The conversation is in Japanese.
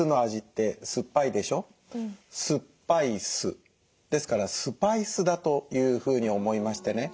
酸っぱい酢ですからスパイ酢だというふうに思いましてね